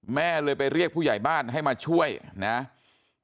แม่เลยไปเรียกผู้ใหญ่บ้านให้มาช่วยนะครับ